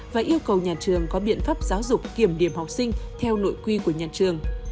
và yêu cầu nhà trường có biện pháp giáo dục kiểm điểm học sinh theo nội quy của nhà trường